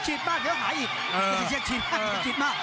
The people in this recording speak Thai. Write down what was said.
ฉีดมากฉีดมาก